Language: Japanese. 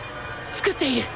作っている！